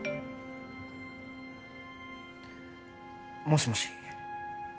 もしもし